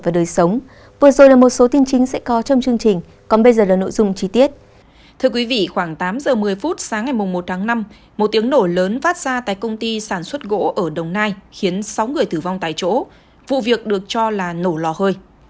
đồng nai nổ lò hơi ở công ty sản xuất gỗ sáu người tử vong tại chỗ vụ việc được cho là nổ lò hơi